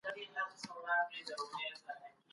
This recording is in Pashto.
افغانستان ولي خپل ډیپلوماتان د چین په رسمیاتو کي شامل کړل؟